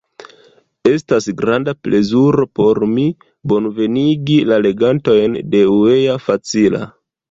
Estas granda plezuro por mi, bonvenigi la legantojn de uea.facila!